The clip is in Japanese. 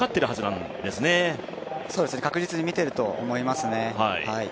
そうですね、確実に見ていると思いますね。